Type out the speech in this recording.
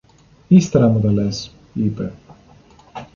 Ύστερα μου τα λες, είπε.